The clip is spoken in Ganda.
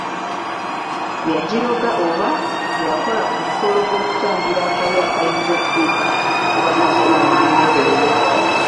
Yagiroga oba y’akola omukolo gw’okutangira akabi akayinza okutuuka ku banaasula mu nnyumba eyo.